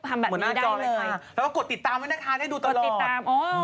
ทำแบบนี้ได้เลยมันน่าจอเลยค่ะแล้วก็กดติดตามให้ด้วยนะคะให้ดูตลอด